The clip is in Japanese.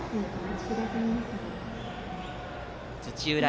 土浦